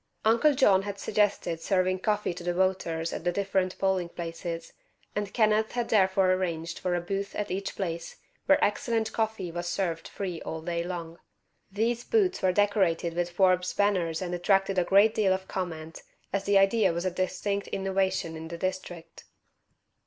Uncle John had suggested serving coffee to the voters at the different polling places, and Kenneth had therefore arranged for a booth at each place, where excellent coffee was served free all day long. These booths were decorated with Forbes banners and attracted a great deal of comment, as the idea was a distinct innovation in this district.